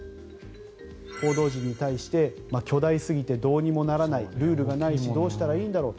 報道陣に対して巨大すぎてどうにもならないルールがないしどうしたらいいんだろうと。